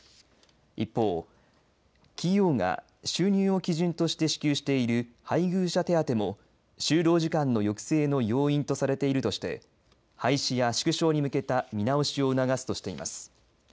一方、企業が収入を基準として支給している配偶者手当も就労時間の抑制の要因とされているとして廃止や縮小に向けた見直しを促すとしています。